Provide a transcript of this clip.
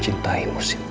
aku ingin berbohong